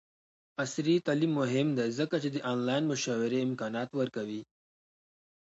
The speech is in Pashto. عصري تعلیم مهم دی ځکه چې د آنلاین مشورې امکان ورکوي.